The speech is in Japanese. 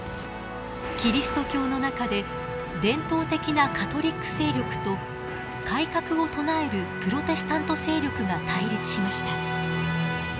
キリスト教の中で伝統的なカトリック勢力と改革を唱えるプロテスタント勢力が対立しました。